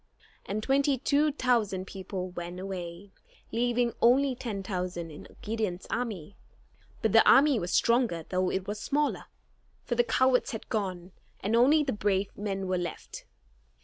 And twenty two thousand people went away, leaving only ten thousand in Gideon's army. But the army was stronger though it was smaller, for the cowards had gone, and only the brave men were left.